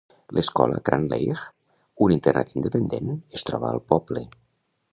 L'escola Cranleigh, un internat independent, es troba al poble.